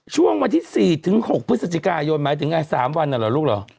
ช่วงวันที่๔ถึง๖พฤศจิกายนไหมถึงไง๓วันอ่ะหรอลูกล่อ